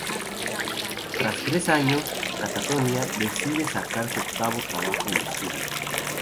Tras tres años, Katatonia decide sacar su octavo trabajo en estudio.